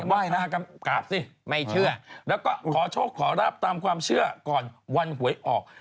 ไหว้หน้ากราบสิไม่เชื่อแล้วก็ขอโชคขอราบตามความเชื่อก่อนวันหวยออก